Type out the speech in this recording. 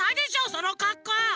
そのかっこう。